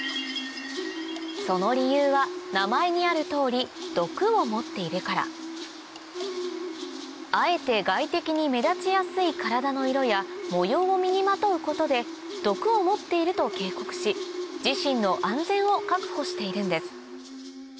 その理由は名前にある通り毒を持っているからあえて外敵に目立ちやすい体の色や模様を身にまとうことで毒を持っていると警告し自身の安全を確保しているんです